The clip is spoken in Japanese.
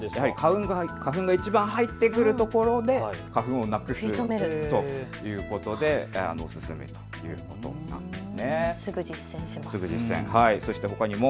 花粉がいちばん入ってくるところで花粉をなくすということでおすすめということなんですね。